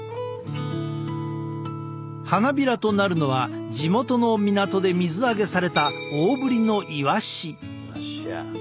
花びらとなるのは地元の港で水揚げされた大ぶりのイワシ。